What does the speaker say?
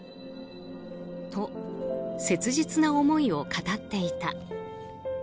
と、切実な思いを語っていた。